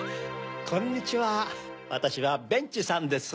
こんにちはわたしはベンチさんです。